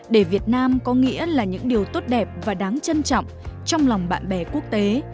để việt nam có nghĩa là những điều tốt đẹp và đáng trân trọng trong lòng bạn bè quốc tế